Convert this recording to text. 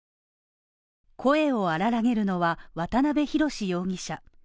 声を荒らげるのは渡辺宏容疑者。